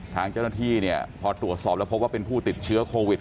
ทางเจ้าหน้าที่เนี่ยพอตรวจสอบแล้วพบว่าเป็นผู้ติดเชื้อโควิด